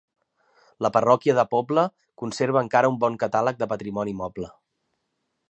La parròquia de Pobla conserva encara un bon catàleg de patrimoni moble.